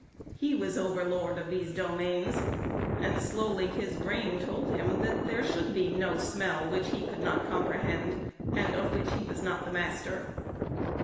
He was overlord of these domains, and slowly his brain told him that there should be no smell which he could not comprehend, and of which he was not the master.